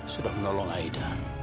sudah menolong aida